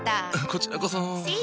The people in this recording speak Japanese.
こちらこそ。